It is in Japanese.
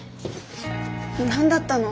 何だったの？